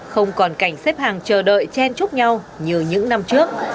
không còn cảnh xếp hàng chờ đợi chen chúc nhau như những năm trước